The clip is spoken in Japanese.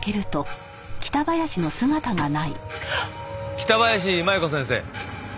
北林麻弥子先生。